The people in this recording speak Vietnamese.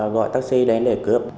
gọi taxi đến để cướp